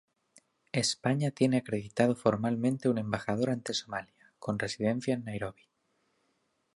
España tiene acreditado formalmente un Embajador ante Somalia, con residencia en Nairobi.